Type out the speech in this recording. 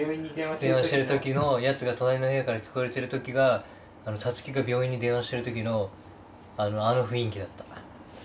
電話してる時のやつが隣の部屋から聞こえてる時がサツキが病院に電話してる時のあの雰囲気だった。